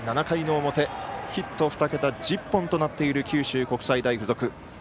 ７回の表、ヒット２桁１０本となっている九州国際大付属。